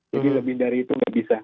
jadi lebih dari itu nggak bisa